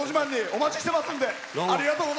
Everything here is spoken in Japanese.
お待ちしてますんで。